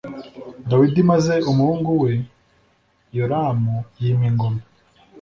dawidi maze umuhungu we yoramu yima ingoma